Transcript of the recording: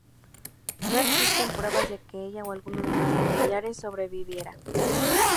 No existen pruebas, de que ella, o alguno de sus familiares, sobreviviera.